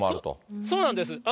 そうなんです。